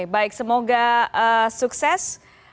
baik semoga sukses